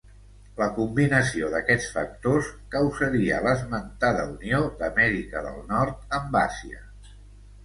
La combinació d'aquests factors causaria l'esmentada unió d'Amèrica del Nord amb Àsia.